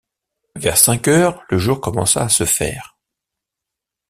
Vers cinq heures, le jour commença à se faire.